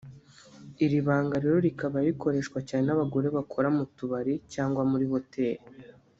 iri banga rero rikaba rikoreshwa cyane n’abagore bakora mu tubari cyangwa muri Hotel